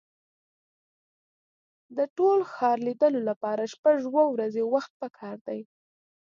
د ټول ښار لیدلو لپاره شپږ اوه ورځې وخت په کار دی.